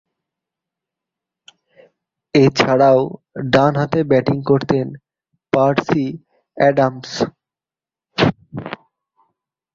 এছাড়াও, ডানহাতে ব্যাটিং করতেন পার্সি অ্যাডামস।